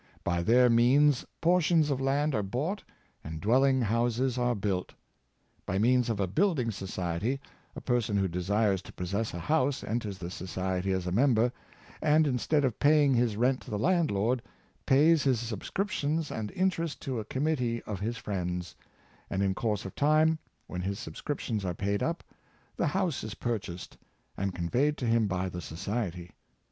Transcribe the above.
By their means portions of land are bought, and dwelling houses are built. By means of a building society, a person who desires to possess a house enters the society as a member, and, instead of paying his rent to the landlord, pays his subscriptions and interest to a committee of his friends ; and in course of time, when his subscriptions are paid up, the house is Thrift Conservative. 433 purchased, and conveyed to him by the society.